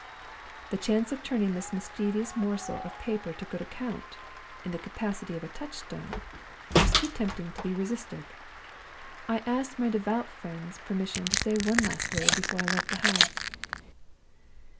The chance of turning this mischievous morsel of paper to good account, in the capacity of a touchstone, was too tempting to be resisted. I asked my devout friend's permission to say one last word before I left the house.